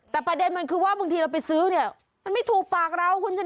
แต่ประเด็นมันคือว่าบางทีเราไปซื้อเนี่ยมันไม่ถูกปากเราคุณชนะ